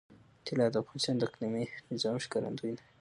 طلا د افغانستان د اقلیمي نظام ښکارندوی ده.